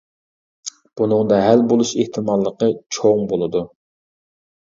بۇنىڭدا ھەل بولۇش ئېھتىماللىقى چوڭ بولىدۇ.